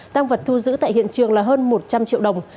tăng vật thu giữ tại hiện trường là hơn một trăm linh triệu đồng